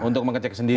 untuk mengecek sendiri